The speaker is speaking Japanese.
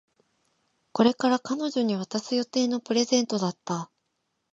これから彼女に渡す予定のプレゼントだった